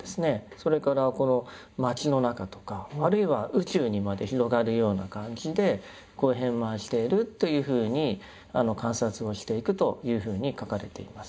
それから町の中とかあるいは宇宙にまで広がるような感じで遍満しているというふうに観察をしていくというふうに書かれています。